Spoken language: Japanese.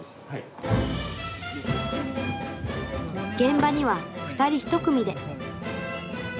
現場には２人１組で。